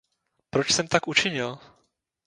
Proč jsem tak učinil?